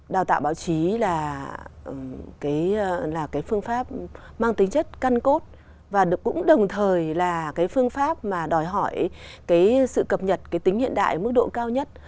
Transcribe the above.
đào tạo báo chí là cái phương pháp mang tính chất căn cốt và cũng đồng thời là cái phương pháp mà đòi hỏi cái sự cập nhật cái tính hiện đại mức độ cao nhất